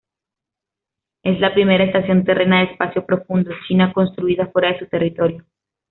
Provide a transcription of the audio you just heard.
Es la primera estación terrena de espacio profundo china construida fuera de su territorio.